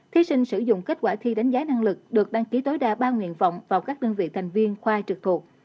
thí sinh sử dụng kết quả thi đánh giá năng lực được đăng ký tối đa ba nguyện vọng vào các đơn vị thành viên khoa trực thuộc